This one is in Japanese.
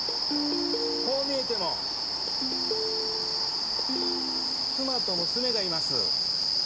こう見えても、妻と娘がいます。